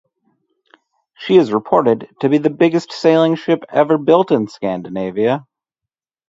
She is reported to be the biggest sailing ship ever built in Scandinavia.